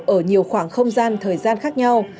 ở nhiều khoảng không gian thời gian khác nhau